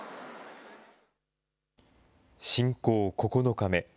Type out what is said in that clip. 侵攻９日目。